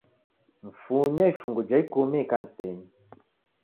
Mfunye ifungu ja ikumi ikanisenyi